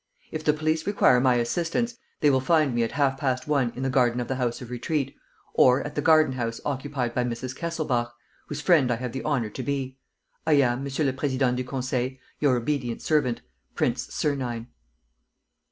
"If the police require my assistance, they will find me at half past one in the garden of the House of Retreat, or at the garden house occupied by Mrs. Kesselbach, whose friend I have the honor to be. "I am, Monsieur le Président du Conseil, "Your obedient servant, "PRINCE SERNINE."